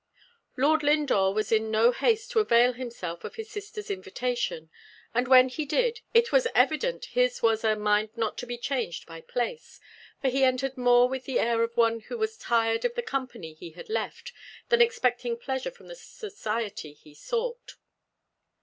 LORD LINDORE was in no haste to avail himself of his sister's invitation; and when he did, it was evident his was a "mind not to be changed by place;" for he entered more with the air of one who was tired of the company he had left, than expecting pleasure from the society he sought.